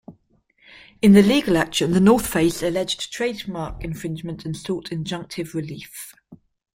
In the legal action, The North Face alleged trademark infringement and sought injunctive relief.